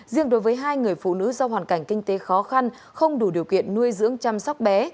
riêng đối với hai người phụ nữ do hoàn cảnh kinh tế khó khăn không đủ điều kiện nuôi dưỡng chăm sóc bé